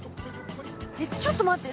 えっちょっと待って。